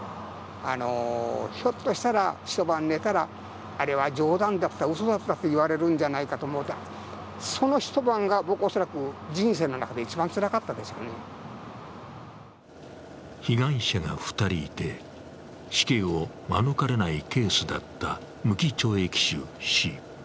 ひょっとしたら一晩寝たらあれは冗談だった、うそだったと言われるんじゃないか、その一晩が僕は恐らく人生の中で被害者が２人いて、死刑を免れないケースだった無期懲役囚、Ｃ。